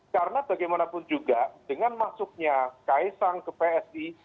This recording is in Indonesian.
karena bagaimanapun juga dengan masuknya kaysang ke psi